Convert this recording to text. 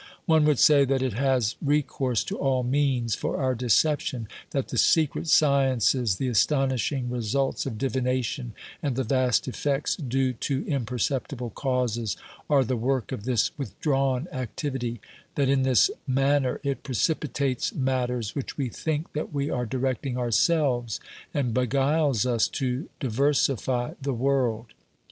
One would say that it has recourse to all means for our deception ; that the secret OBERMANN 191 sciences, the astonishing results of divination, and the vast effects due to imperceptible causes, are the work of this withdrawn activity ; that in this manner it precipitates matters which we think that we are directing ourselves, and beguiles us to diversify the world.